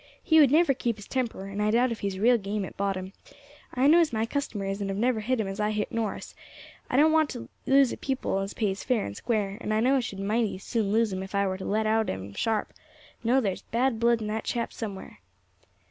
He would never keep his temper, and I doubt if he's real game at bottom. I knows my customers, and have never hit him as I hit Norris; I don't want to lose a pupil as pays fair and square, and I know I should mighty soon lose him if I were to let out at him sharp. No, there is bad blood in that chap somewhere."